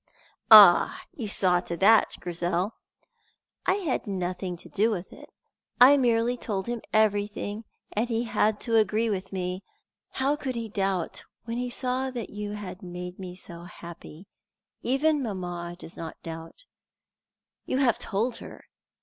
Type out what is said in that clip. "Ah, you saw to that, Grizel!" "I had nothing to do with it. I merely told him everything, and he had to agree with me. How could he doubt when he saw that you had made me so happy! Even mamma does not doubt." "You have told her!